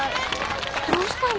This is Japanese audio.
どうしたの？